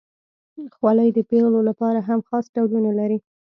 خولۍ د پیغلو لپاره هم خاص ډولونه لري.